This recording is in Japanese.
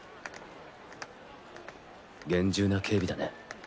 厳重な警備だね。